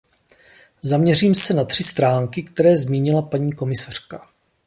Zaměřím se na tři stránky, které zmínila paní komisařka.